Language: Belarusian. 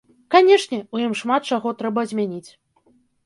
Канешне, у ім шмат чаго трэба змяніць.